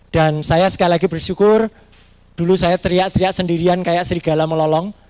dan saya sekali lagi bersyukur dulu saya teriak teriak sendirian kayak serigala melolong